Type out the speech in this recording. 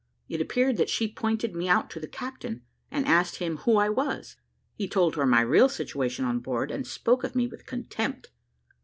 It appeared that she pointed me out to the captain, and asked him who I was; he told her my real situation on board, and spoke of me with contempt.